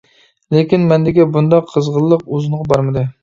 لېكىن، مەندىكى بۇنداق قىزغىنلىق ئۇزۇنغا بارمىدى.